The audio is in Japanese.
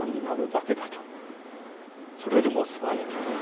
それでも座れと。